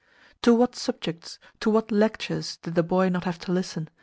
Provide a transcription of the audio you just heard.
To what subjects, to what lectures, did the boy not have to listen!